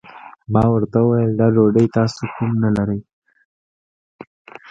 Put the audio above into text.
ما ورته وويل دا ډوډۍ تاسو کوم نه لرئ؟